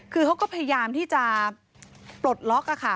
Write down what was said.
คือเขาก็พยายามที่จะปลดล็อกค่ะ